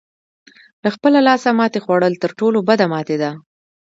له خپله لاسه ماتې خوړل تر ټولو بده ماتې ده.